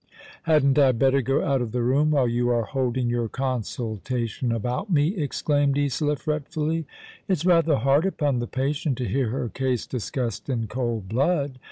" Hadn't I better go out of the room while you are holding your consultation about me ?" exclaimed Isola, fretfully. " It's rather hard upon the patient to hear her case discussed in cold blood.